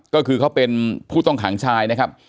ก็คือเขาเป็นผู้ต้องขังชายนะครับ